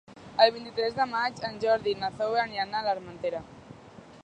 El vint-i-tres de maig en Jordi i na Zoè aniran a l'Armentera.